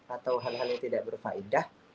atau hal hal yang tidak berfaedah